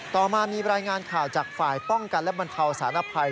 ต่อมามีรายงานข่าวจากฝ่ายป้องกันและบรรเทาสารภัย